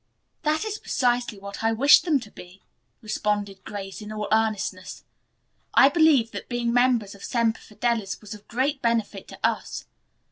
"That is precisely what I wish them to be," responded Grace, in all earnestness. "I believe that being members of Semper Fidelis was of great benefit to us.